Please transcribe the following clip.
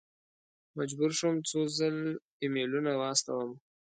مجبور شوم څو ځل ایمیلونه واستوم.